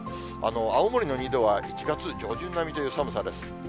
青森の２度は１月上旬並みという寒さです。